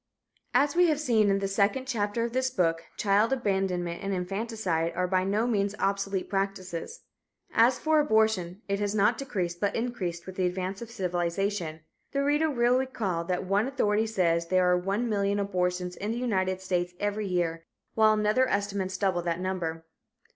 As we have seen in the second chapter of this book, child abandonment and infanticide are by no means obsolete practices. As for abortion, it has not decreased but increased with the advance of civilization. The reader will recall that one authority says that there are 1,000,000 abortions in the United States every year, while another estimates double that number.